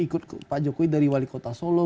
ikut pak jokowi dari wali kota solo